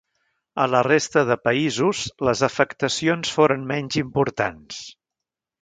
A la resta de països, les afectacions foren menys importants.